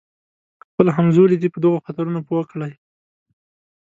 خپل همزولي دې په دغو خطرونو پوه کړي.